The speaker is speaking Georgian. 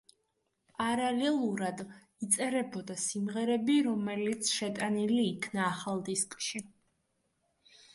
პარალელურად იწერებოდა სიმღერები, რომელიც შეტანილი იქნა ახალ დისკში.